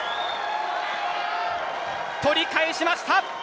取り返しました。